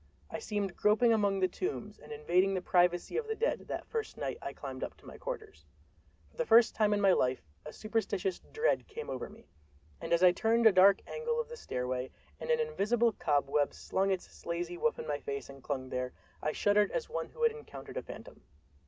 I seemed groping among the tombs and invading the privacy of the dead, that first night I climbed up to my quarters. For the first time in my life a superstitious dread came over me; and as I turned a dark angle of the stairway and an invisible cobweb swung its slazy woof in my face and clung there, I shuddered as one who had encountered a phantom.